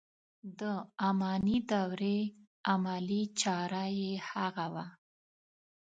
د اماني دورې عملي چاره یې هغه و.